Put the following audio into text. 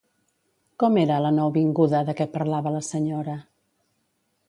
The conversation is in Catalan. Com era, la nouvinguda de què parlava la senyora?